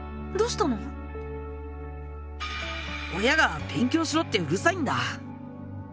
親が「勉強しろ」ってうるさいんだ。